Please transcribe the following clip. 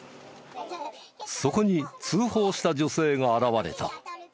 そこに通報した女性が現れた。